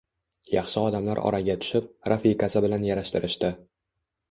Yaxshi odamlar oraga tushib, rafiqasi bilan yarashtirishdi